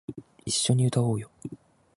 一緒に歌おうよ